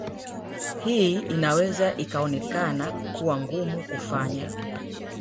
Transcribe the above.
Hii inaweza ikaonekana kuwa ngumu kufanya